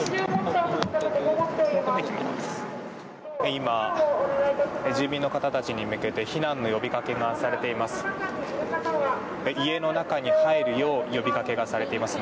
今、住民の方たちに向けて避難の呼びかけがされています。